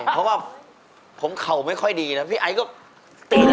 เพราะว่าผมเข่าไม่ค่อยดีนะพี่ไอซ์ก็ตีเลย